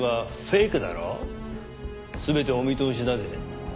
全てお見通しだぜ。